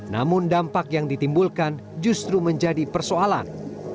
namun dampak yang ditimbulkan justru menjadi persoalan